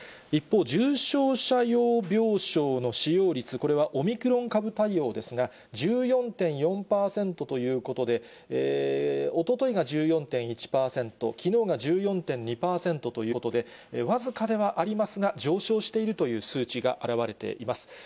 一方、重症者用病床の使用率、これはオミクロン株対応ですが、１４．４％ということで、おとといが１４．１％、きのうが１４．２％ということで、僅かではありますが、上昇しているという数値が表れています。